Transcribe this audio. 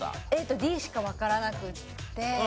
ＡとＤしかわからなくって。